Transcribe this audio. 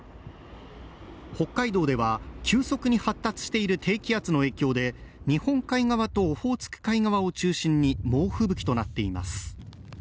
北海道では急速に発達している低気圧の影響で日本海側とオホーツク海側を中心に猛吹雪となっています